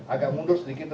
agak mundur sedikit